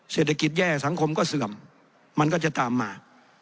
เศรษฐกิจแย่สังคมก็เสื่อมมันก็จะตามมา